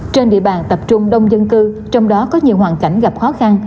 trên địa bàn tập trung đông dân cư trong đó có nhiều hoàn cảnh gặp khó khăn